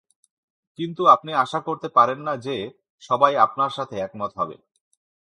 কিন্তু আপনি আশা করতে পারেন না যে সবাই আপনার সাথে একমত হবে।